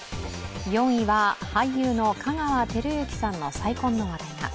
４位は俳優の香川照之さんの再婚の話題が。